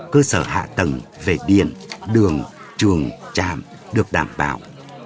cơ sở hạ tầng về điện đường trường trạm được đảm bảo